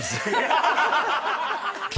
ハハハハ！